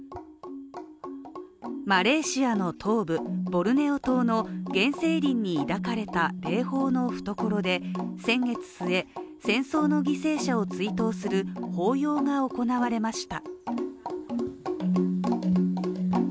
マレーシアの東部、ボルネオ島の原生林に抱かれた霊峰のふところで、先月末戦争の犠牲者を追悼する法要が行われました。